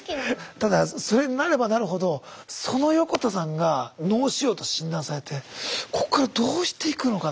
ただそれなればなるほどその横田さんが脳腫瘍と診断されてこっからどうしていくのかなと。